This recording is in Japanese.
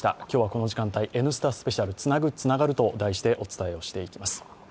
今日はこの時間帯「Ｎスタスペシャルつなぐ、つながる」としてお伝えしてまいります。